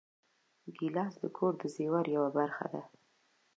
ګیلاس د کور د زېور یوه برخه ده.